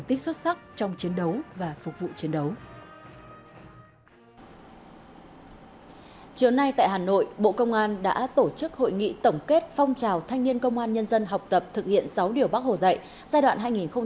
chiều nay tại hà nội bộ công an đã tổ chức hội nghị tổng kết phong trào thanh niên công an nhân dân học tập thực hiện sáu điều bác hồ dạy giai đoạn hai nghìn một mươi sáu hai nghìn hai mươi